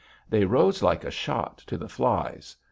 They rose, like a shot, to the flies.